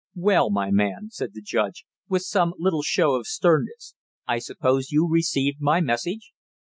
"Well, my man!" said the judge, with some little show of sternness. "I suppose you received my message?"